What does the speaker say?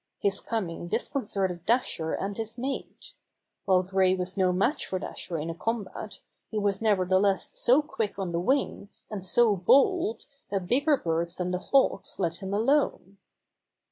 His coming disconcerted Dasher and his mate. While Gray was no match for Dasher in a combat, he was nevertheless so quick on the wing and so bold that bigger birds than the Hawks let him alone.